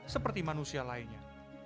seperti manusia lainnya